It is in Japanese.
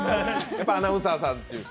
やっぱりアナウンサーさんという。